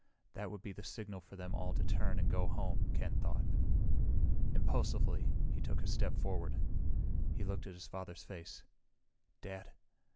That would be the signal for them all to turn and go home, Ken thought. Impulsively, he took a step forward. He looked at his father's face. "Dad..."